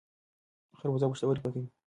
خربوزه پښتورګي پاکوي.